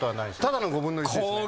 ただの５分の１ですね。